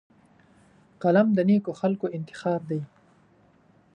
قلم د نیکو خلکو انتخاب دی